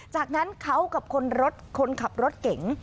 จากนั้นเขากับคนรถคนขับรถเก๋ง